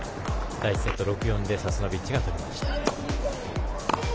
第１セット、６−４でサスノビッチが取りました。